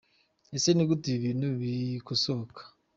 Ese ni gute ibi bintu bikosoka?.